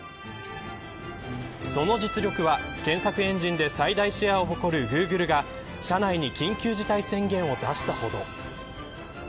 その実力は検索エンジンで最大シェアを誇るグーグルが社内に緊急事態宣言を出したほど。